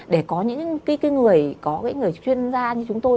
để có những người chuyên gia như chúng tôi